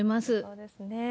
そうですね。